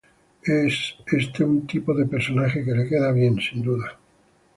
Es este un tipo de personaje que le quedan bien, sin duda.